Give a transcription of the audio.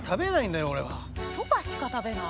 そばしか食べない？